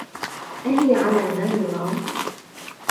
أهيَ على ما يرام؟